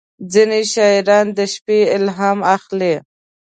• ځینې شاعران د شپې الهام اخلي.